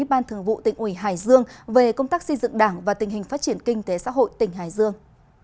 ban thường vụ tỉnh ủy hải dương về công tác xây dựng đảng và tình hình phát triển kinh tế xã hội tỉnh hải dương